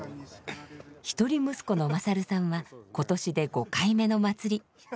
一人息子の大さんは今年で５回目の祭り。